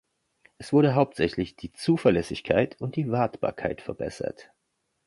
Es wurde hauptsächlich die Zuverlässigkeit und Wartbarkeit verbessert.